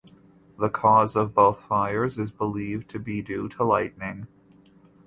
The cause of both fires is believed to be due to lightning.